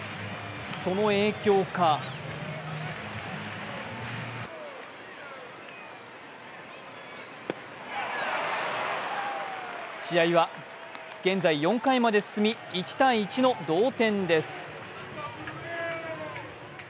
その影響か試合は現在４回まで進み１−１の同点です。